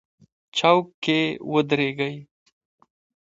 چوک کې ودرېږئ